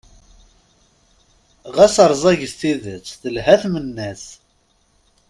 Ɣas rẓaget tidet, telhan tmenna-is.